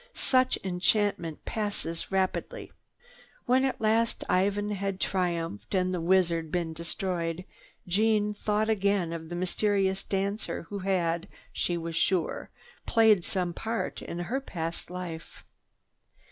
Such enchantment passes rapidly. When at last Ivan had triumphed and the wizard been destroyed, Jeanne thought again of the mysterious dancer who had, she was sure, played some part in her past life.